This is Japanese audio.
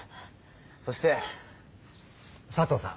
そして佐藤さん。